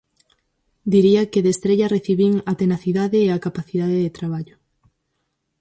Diría que de Estrella recibín a tenacidade e a capacidade de traballo.